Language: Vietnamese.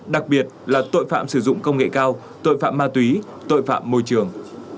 đặc biệt là tội phạm sử dụng công nghệ cao tội phạm ma túy tội phạm môi trường